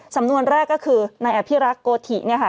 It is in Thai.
สำนวนแรกก็คือนายอภิรักษ์โกธิเนี่ยค่ะ